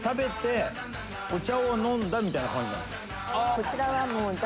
こちらは。